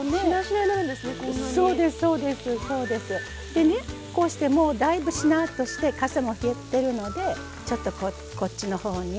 でねこうしてもうだいぶしなっとしてかさも減ってるのでちょっとこっちの方に。